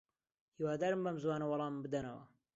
هیوادارم بەم زووانە وەڵامم بدەنەوە.